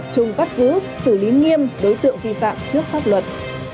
chung bắt giữ xử lý nghiêm đối tượng vi phạm trước pháp luật